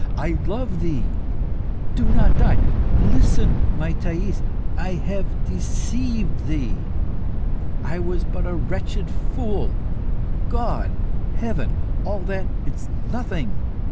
"I love thee! Do not die! Listen, my Thais. I have deceived thee? I was but a wretched fool. God, heaven all that is nothing.